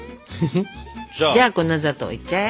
じゃあ粉砂糖いっちゃえ。